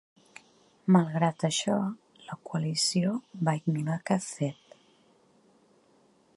Malgrat això, la coalició va ignorar aquest fet.